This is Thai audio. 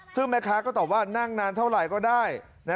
ซึ่งแม่ค้าก็ตอบว่านั่งนานเท่าไหร่ก็ได้